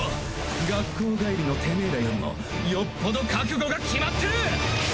学校帰りのてめェらよりもよっぽど覚悟が決まってる！